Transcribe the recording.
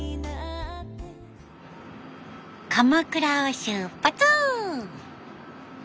鎌倉を出発！